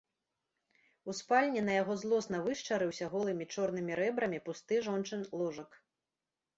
У спальні на яго злосна вышчарыўся голымі чорнымі рэбрамі пусты жончын ложак.